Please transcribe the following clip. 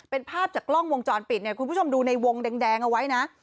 เป็นภาพจากกล้องวงจรปิดเนี่ยคุณผู้ชมดูในวงแดงเอาไว้นะ